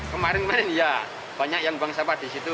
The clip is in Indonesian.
kemarin kemarin ya banyak yang buang sampah di situ